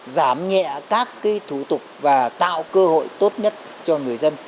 giảm nhẹ các thủ tục và tạo cơ hội tốt nhất cho người dân